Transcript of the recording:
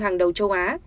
hàng đầu châu á